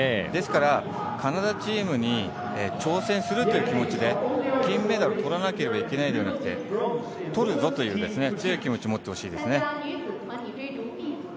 ですから、カナダチームに挑戦するという気持ちで金メダルをとらなければいけないではなくてとるぞという強い気持ちを持ってほしいですね。